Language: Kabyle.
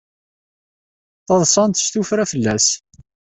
Ttaḍsant s tuffra fell-as.